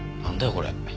これ。